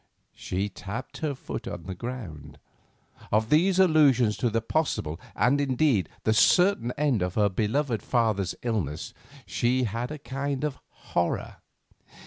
She tapped her foot upon the ground. Of these allusions to the possible, and, indeed, the certain end of her beloved father's illness, she had a kind of horror.